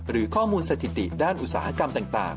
หรือข้อมูลสถิติด้านอุตสาหกรรมต่าง